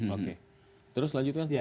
oke terus lanjut kan